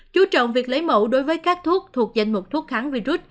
chú trọng việc lấy mẫu đối với các thuốc thuộc danh mục thuốc kháng virus